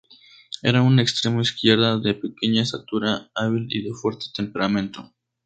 Era un extremo izquierda de pequeña estatura, hábil y de fuerte temperamento.